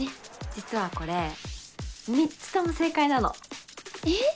実はこれ３つとも正解なのえっ？